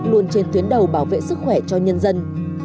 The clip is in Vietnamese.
luôn trên tuyến đầu bảo vệ sức khỏe cho nhân dân